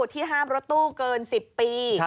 ที่ห้ามรถตู้เกิน๑๐ปี